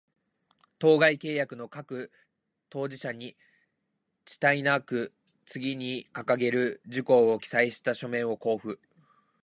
当該契約の各当事者に、遅滞なく、次に掲げる事項を記載した書面を交付